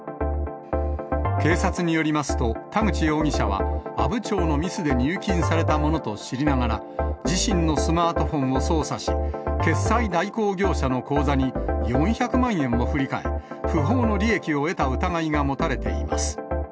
警察によりますと、田口容疑者は、阿武町のミスで入金されたものと知りながら、自身のスマートフォンを操作し、決済代行業者の口座に４００万円を振り替え、不法の利益を得た疑いが持たれています。